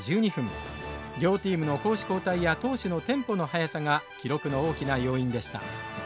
両チームの攻守交代や投手のテンポの速さが記録の大きな要因でした。